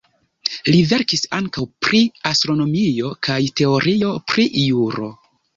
Li verkis ankaŭ pri astronomio kaj teorio pri juro.